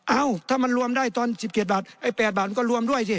เอ้าถ้ามันรวมได้ตอน๑๗บาทไอ้๘บาทมันก็รวมด้วยสิ